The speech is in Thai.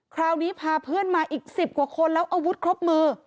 คราวนี้พาเพื่อนมาอีก๑๐กว่าคนแล้วอาวุธครบมือ